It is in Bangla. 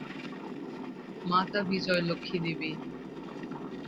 মাতা বিজয়লক্ষ্মী দেবী।